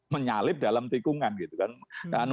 menyalip dalam tikungan gitu kan